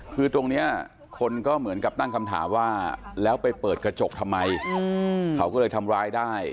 คือตรงนี้คนก็เหมือนกับตั้งคำถามว่าแล้วไปเปิดกระจกทำไมเขาก็เลยทำร้ายได้